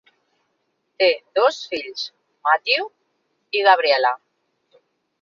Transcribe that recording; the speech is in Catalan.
Té dos fills, Matthew i Gabriella.